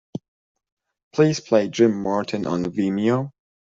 Please play Jim Martin on Vimeo.